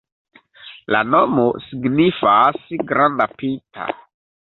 La nomo signifas granda-pinta.